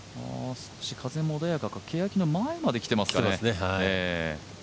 少し風も穏やかか、けやきの前まで来てますね。